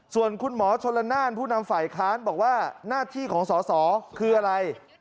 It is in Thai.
ส่วนคุณหมอชนละนานผู้นำฝ่ายค้านบอกว่าหน้าที่ของสอสอคืออะไร